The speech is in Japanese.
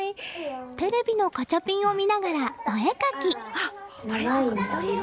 テレビのガチャピンを見ながらお絵かき。